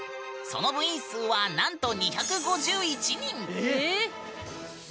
その部員数はなんと２５１人！